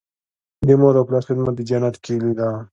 د مور او پلار خدمت د جنت کیلي ده.